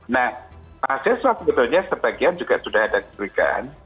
nah mahasiswa sebetulnya sebagian juga sudah ada diberikan